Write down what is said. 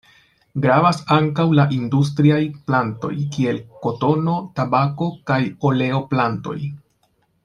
Gravas ankaŭ la industriaj plantoj kiel kotono, tabako kaj oleo-plantoj.